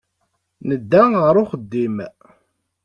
Nedda ɣer uxeddim.